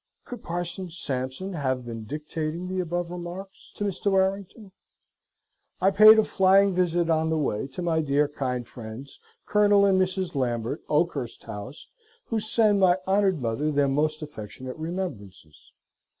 [Could Parson Sampson have been dictating the above remarks to Mr. Warrington?] I paid a flying visit on the way to my dear kind friends Col. and Mrs. Lambert, Oakhurst House, who send my honored mother their most affectionate remembrances.